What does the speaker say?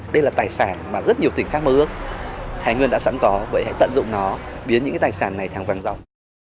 đây là tài sản mà rất nhiều tỉnh khác mơ ước thái nguyên đã sẵn có vậy hãy tận dụng nó biến những tài sản này thẳng vang rộng